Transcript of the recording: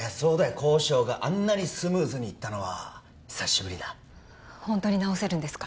交渉があんなにスムーズにいったのは久しぶりだホントに治せるんですか？